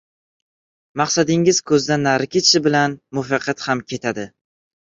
Maqsadingiz ko‘zdan nari ketishi bilan muvaffaqiyat ham ketadi.